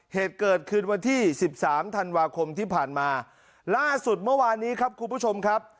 เหตุเกิดขึ้นวันที่สิบสามธันวาคมที่ผ่านมาล่าสุดเมื่อวานนี้ครับคุณผู้ชมครับ